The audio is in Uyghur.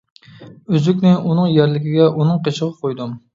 ئۈزۈكنى ئۇنىڭ يەرلىكىگە، ئۇنىڭ قېشىغا قويدۇم.